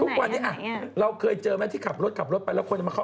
ทุกวันนี้อ่ะเราเคยเจอไหมที่ขับรถขับรถไปแล้วคนจะมาเข้า